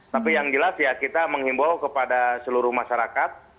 tapi yang jelas ya kita menghimbau kepada seluruh masyarakat